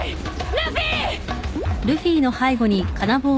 ルフィ！